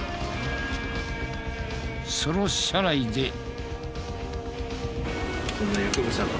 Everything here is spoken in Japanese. その車内で。